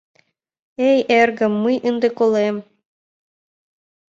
— Эй, эргым... мый ынде колем...